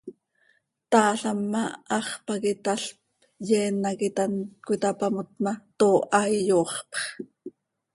Taalam ma, hax pac italp, yeen hac it hant cöitapamot ma, tooha, iyooxpx.